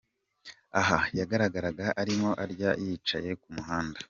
Aha yagaragaraga arimo arya yicaye ku muhanda.